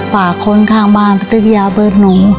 ฝากคนข้างบ้านไปตึกยาเบอร์หนู